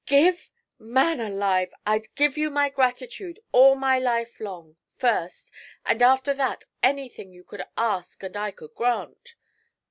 'Give! Man alive! I'd give you my gratitude all my life long, first, and after that anything you could ask and I could grant.